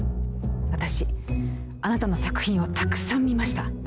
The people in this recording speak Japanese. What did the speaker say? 私あなたの作品をたくさん見ました。